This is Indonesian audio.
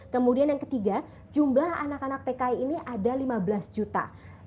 kemudian yang ketiga jumlah anak anak pki ini ada lima belas juta